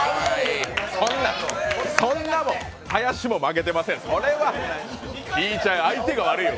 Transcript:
そんなもん、林も負けてません、それはひぃちゃん、相手が悪いよ。